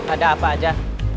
ada apa aja